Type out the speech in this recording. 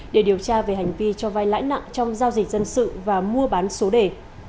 để điều tra về hành vi cho vai lãi nặng trong giao dịch dân sự và mua bán số đề